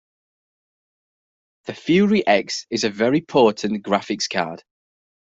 The Fury X is a very potent graphics card.